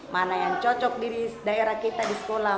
mana yang cocok di daerah kita di sekolah